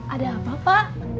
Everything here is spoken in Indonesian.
ada apa pak